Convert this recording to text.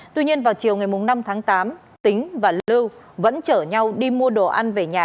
tuy nhiên vào chiều ngày năm tháng tám tính và lưu vẫn chở nhau đi mua đồ ăn về nhà